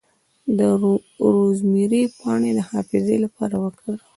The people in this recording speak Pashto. د روزمیری پاڼې د حافظې لپاره وکاروئ